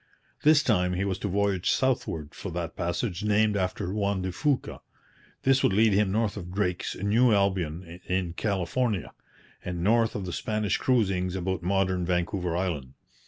This time he was to voyage southward for that passage named after Juan de Fuca. This would lead him north of Drake's New Albion in California, and north of the Spanish cruisings about modern Vancouver Island.